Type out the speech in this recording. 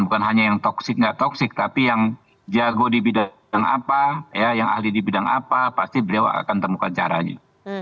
bukan hanya yang toksik nggak toksik tapi yang jago di bidang apa yang ahli di bidang apa pasti beliau akan temukan caranya